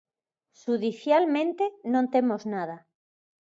Xudicialmente non temos nada.